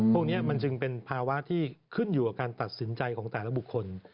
พวกนี้มันจึงเป็นภาวะที่ขึ้นอยู่กับการตัดสินใจของแต่ละบุคคล